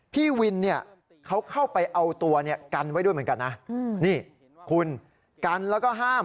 พี่วินเนี่ยเขาเข้าไปเอาตัวเนี่ยกันไว้ด้วยเหมือนกันนะนี่คุณกันแล้วก็ห้าม